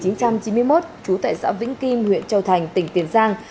năm một nghìn chín trăm chín mươi một chú tại xã vĩnh kim huyện châu thành tỉnh tiền giang